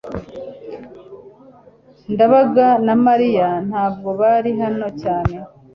ndabaga na mariya ntabwo bari hano cyane